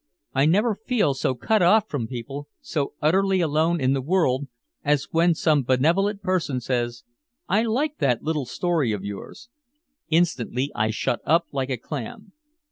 I never feel so cut off from people, so utterly alone in the world, as when some benevolent person says, "I liked that little story of yours." Instantly I shut up like a clam.